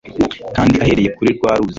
kandi ahereye kuri rwa ruzi